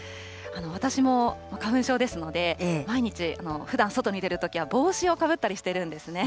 私も花粉症ですので、毎日、ふだん外に出るときは帽子をかぶったりしているんですね。